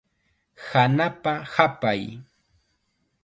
Hanapa hapay.